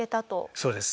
そうです。